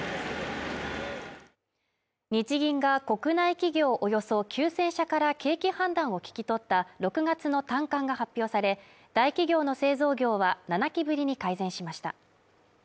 日銀が国内企業およそ９０００社から景気判断を聞き取った６月の短観が発表され、大企業の製造業は７期ぶりに改善しました。